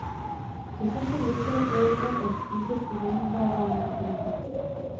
To se však začalo projevovat až v důsledku zanedbávání údržby.